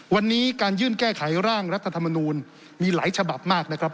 วันนี้การยื่นแก้ไขร่างรัฐธรรมนูลมีหลายฉบับมากนะครับ